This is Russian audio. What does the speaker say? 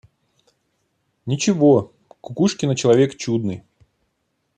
Ничего! Кукшина - человек чудный.